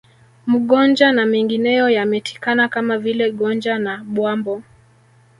Mgonja na mengineyo yametikana Kama vile Gonja na Bwambo